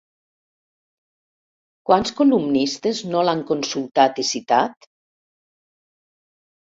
¿Quants columnistes no l'han consultat i citat?